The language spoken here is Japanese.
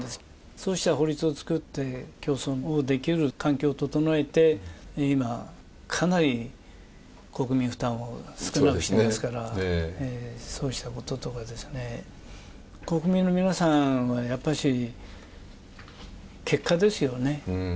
そうした法律を作って、それをできる環境を整えて、今かなり国民負担を少なくしてますから、そうしたこととか、国民の皆さんはやっぱり結果ですよね。